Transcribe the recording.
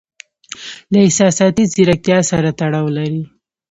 له احساساتي زیرکتیا سره تړاو لري.